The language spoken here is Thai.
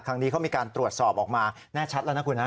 ครั้งนี้เขามีการตรวจสอบออกมาแน่ชัดแล้วนะคุณฮะ